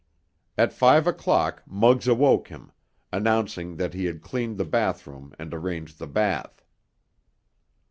At five o'clock Muggs awoke him, announcing that he had cleaned the bathroom and arranged the bath.